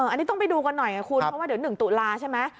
อันนี้ต้องไปดูกันหน่อยไงคุณเพราะว่าเดี๋ยว๑ตุลาใช่ไหม